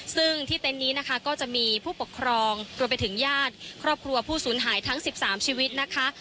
ซึ่งที่เต็นต์นี้นะคะก็จะมีผู้ปกครองรวมไปถึงญาติครอบครัวผู้สูญหายทั้ง๑๓ชีวิตนะคะ